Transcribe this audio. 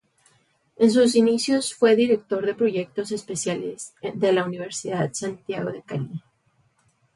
En sus inicios fue director de proyectos especiales de la Universidad Santiago de Cali.